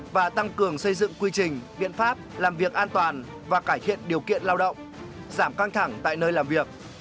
và tăng cường xây dựng quy trình biện pháp làm việc an toàn và cải thiện điều kiện lao động giảm căng thẳng tại nơi làm việc